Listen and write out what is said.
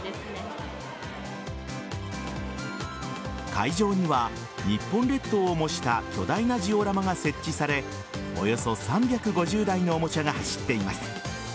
会場には、日本列島を模した巨大なジオラマが設置されおよそ３５０台のおもちゃが走っています。